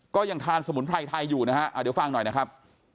ก็ยังทานสมุนไพรไทยอยู่นะฮะเดี๋ยวฟังหน่อยนะครับ